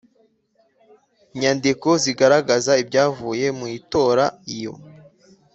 nyandiko zigaragaza ibyavuye mu itora iyo